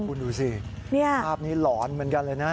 คุณดูสิภาพนี้หลอนเหมือนกันเลยนะ